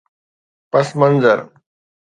پس منظر